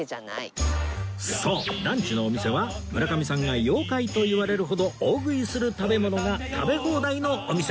そうランチのお店は村上さんが妖怪といわれるほど大食いする食べ物が食べ放題のお店